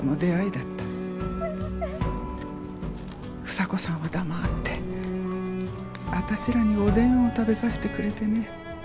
房子さんは黙ってあたしらにおでんを食べさせてくれてね。